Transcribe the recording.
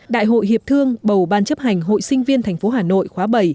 đại hội hiệp thương bầu ban chấp hành hội sinh viên thành phố hà nội khóa bảy